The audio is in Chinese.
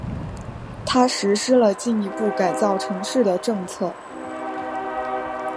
他实施了进一步改造城市的政策。